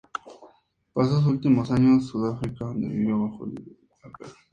Pasó sus últimos años en Sudáfrica, donde vivió bajo el Apartheid.